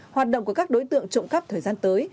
hoạt động của các đối tượng trộm cắp thời gian tới